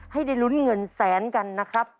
ให้ได้ลุ้นเงินแสนกันนะครับ